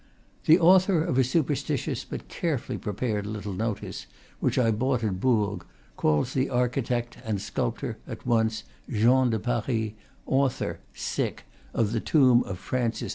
The author of a superstitious but carefully prepared little Notice, which I bought at Bourg, calls the architect and sculptor (at once) Jehan de Paris, author of the tomb of Francis II.